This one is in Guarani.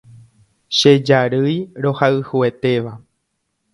Che jarýi rohayhuetéva